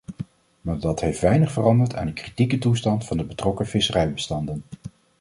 Maar dat heeft weinig veranderd aan de kritieke toestand van de betrokken visserijbestanden.